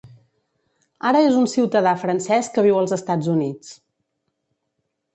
Ara és un ciutadà francès que viu als Estats Units.